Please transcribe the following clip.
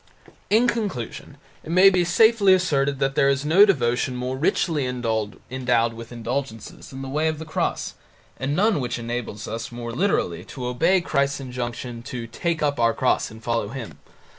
In conclusion it may be safely asserted that there is no devotion more richly endowed with indulgences than the Way of the Cross, and none which enables us more literally to obey Christ's injunction to take up our cross and follow Him.